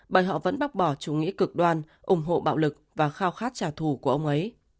bởi họ vẫn bác bỏ chủ nghĩa cực đoan ủng hộ bạo lực và khao khát trả thù của ông ấy